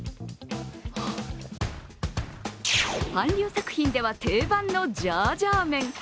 韓流作品では定番のジャージャー麺。